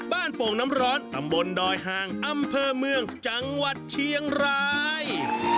โป่งน้ำร้อนตำบลดอยหางอำเภอเมืองจังหวัดเชียงราย